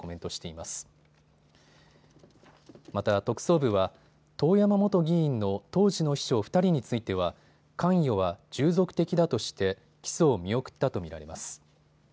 また特捜部は遠山元議員の当時の秘書２人については関与は従属的だとして起訴を見送ったと見られます。